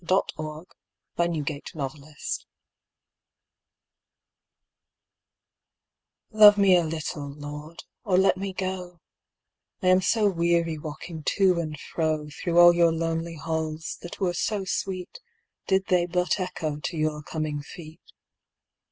16 ZIRA: IN CAPTIVITY OVE ME A LITTLE, LORD, OR LET ME GO, I am so weary walking to and fro Through all your lonely halls that were so sweet Did they but echo to your coming feet.